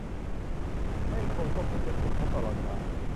ไม่โคลนก็ฝุ่นจะถูกพบตลอดเวลา